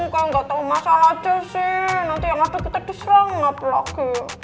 kau gak tau masalahnya sih nanti yang ada kita diselenggap lagi